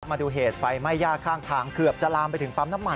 มาดูเหตุไฟไหม้ย่าข้างทางเกือบจะลามไปถึงปั๊มน้ำมัน